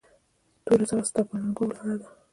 توره زخه ستا پهٔ اننګو ولاړه ده